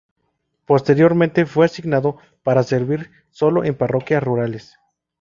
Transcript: Posteriormente fue asignado para servir solo en parroquias rurales.